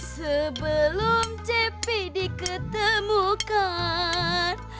sebelum cepi diketemukan